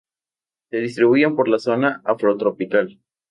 Se distribuyen por la zona afrotropical.